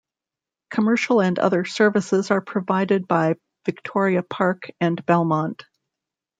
Commercial and other services are provided by Victoria Park and Belmont.